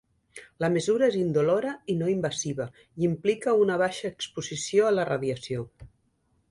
La mesura és indolora i no invasiva i implica una baixa exposició a la radiació.